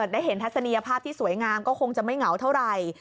ได้เห็นทัศนียภาพที่สวยงามก็คงจะไม่เหงาเท่าไหร่